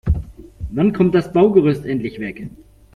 Wann kommt das Baugerüst endlich weg?